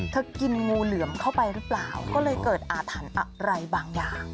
กินงูเหลือมเข้าไปหรือเปล่าก็เลยเกิดอาถรรพ์อะไรบางอย่าง